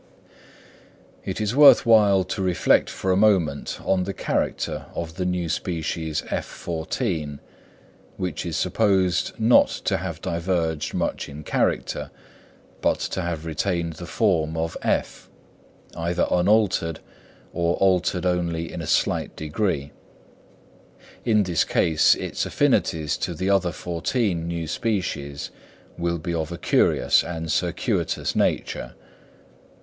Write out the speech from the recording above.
It is worth while to reflect for a moment on the character of the new species F14, which is supposed not to have diverged much in character, but to have retained the form of (F), either unaltered or altered only in a slight degree. In this case its affinities to the other fourteen new species will be of a curious and circuitous nature.